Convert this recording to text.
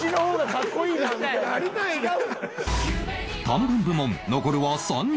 短文部門残るは３人